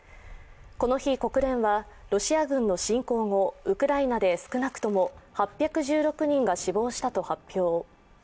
この日、国連はロシア軍の侵攻後、ウクライナで少なくとも８１６人が死亡したと発表。